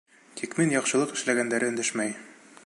Тик мин яҡшылыҡ эшләгәндәре өндәшмәй.